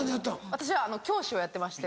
私は教師をやってまして。